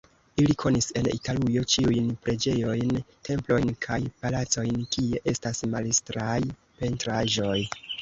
Ili konis en Italujo ĉiujn preĝejojn, templojn kaj palacojn, kie estas majstraj pentraĵoj.